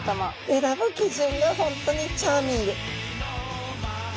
選ぶ基準が本当にチャーミング。